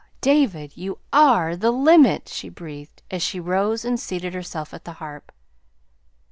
"David, you are the the LIMIT!" she breathed, as she rose and seated herself at the harp.